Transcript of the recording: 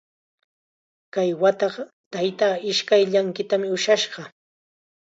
Kay wataqa taytaa ishkay llanqitam ushashqa.